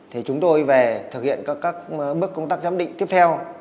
thì chúng tôi về thực hiện các bước công tác giám định tiếp theo